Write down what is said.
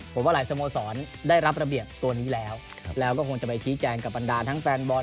ผมว่าหลายสโมสรได้รับระเบียบตัวนี้แล้วแล้วก็คงจะไปชี้แจงกับบรรดาทั้งแฟนบอล